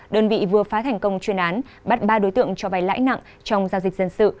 đơn vị vừa phá thành công chuyên án bắt ba đối tượng cho vay lãi nặng trong giao dịch dân sự